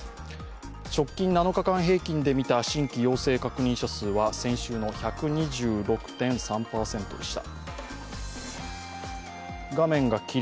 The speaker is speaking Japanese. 直近７日間平均で見た新規陽性確認者数は先週の１２６．３％でした。